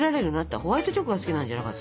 ホワイトチョコが好きなんじゃなかった？